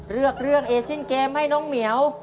เลือกเอเชียนเกมให้น้องเหมียว